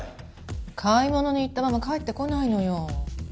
買い物に行ったまま帰ってこないのよ。